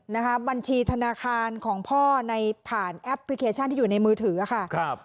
นะคะบัญชีธนาคารของพ่อในผ่านแอปพลิเคชันที่อยู่ในมือถือค่ะครับ